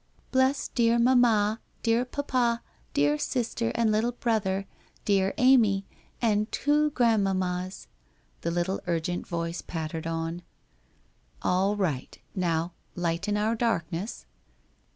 ' Bless dear mamma, dear papa, dear sister and little brother, dear Amy, and two grandmammas ' the little urgent voice pattered on. ' All right. Now — Lighten our darkness.'